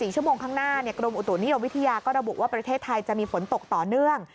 ๔ชั่วโมงข้างหน้ากรมอุตุนิยมวิทยาก็ระบุว่าประเทศไทยจะมีฝนตกต่อเนื่อง